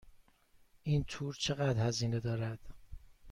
این تور چقدر هزینه دارد؟